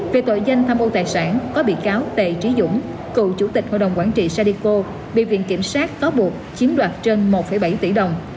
về tội danh tham ô tài sản có bị cáo tề trí dũng cựu chủ tịch hội đồng quản trị sadico bị viện kiểm sát cáo buộc chiếm đoạt trên một bảy tỷ đồng